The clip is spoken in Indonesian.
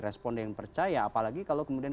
responden percaya apalagi kalau kemudian